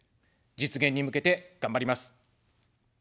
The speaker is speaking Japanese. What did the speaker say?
実現に向けて頑張ります。